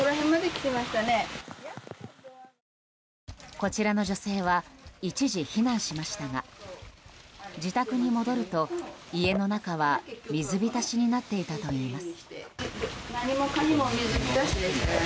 こちらの女性は一時避難しましたが自宅に戻ると、家の中は水浸しになっていたといいます。